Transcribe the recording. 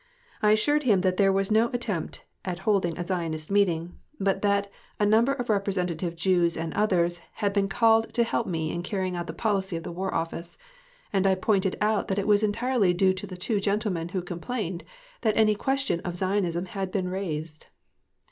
I assured him that there was no attempt at holding a Zionist meeting, but that a number of representative Jews and others had been called to help me in carrying out the policy of the War Office, and I pointed out that it was entirely due to the two gentlemen who complained, that any question of Zionism had been raised.